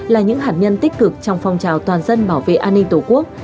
là những hạt nhân tích cực trong phong trào toàn dân bảo vệ an ninh tổ quốc